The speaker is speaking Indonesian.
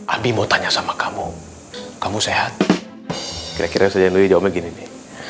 abie mau tanya sama kamu kamu sehat kira kira sejauh ini